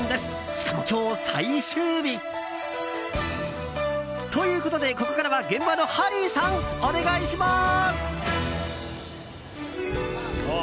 しかも今日、最終日！ということでここからは現場のハリーさんお願いします！